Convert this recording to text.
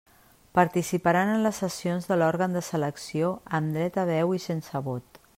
Participaran en les sessions de l'òrgan de selecció amb dret a veu i sense vot.